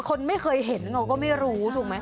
คนไม่เคยเห็นเขาก็ไม่รู้ถูกไหม